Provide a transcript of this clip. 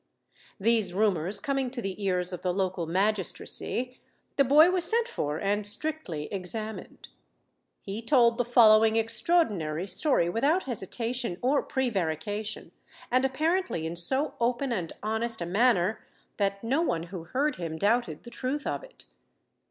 These rumours coming to the ears of the local magistracy, the boy was sent for and strictly examined. He told the following extraordinary story without hesitation or prevarication, and apparently in so open and honest a manner, that no one who heard him doubted the truth of it.